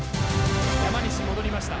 山西戻りました。